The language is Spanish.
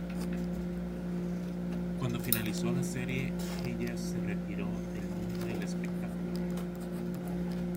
Cuando finalizó la serie, Hayes se retiró del mundo del espectáculo.